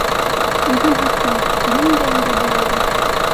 Үҙем һаттым, тинем инде былай ҙа.